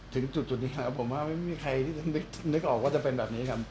ถึงจุดนี้ครับผมว่าไม่มีใครที่จะนึกออกว่าจะเป็นแบบนี้ครับ